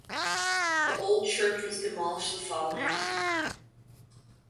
The old church was demolished the following year.